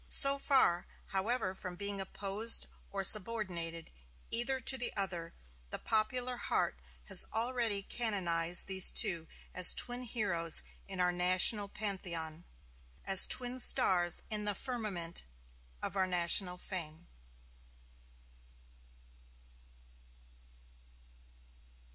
So far, however from being opposed or subordinated either to the other, the popular heart has already canonized these two as twin heroes in our national pantheon, as twin stars in the firmament of our national fame.